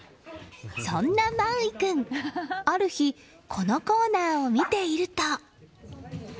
そんなマウイ君、ある日このコーナーを見ていると。